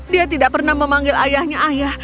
dia tidak pernah memanggil ayahnya ayah